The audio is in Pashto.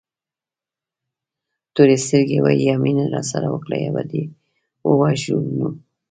تورې سترګې وایي یا مینه راسره وکړه یا به دې ووژنو.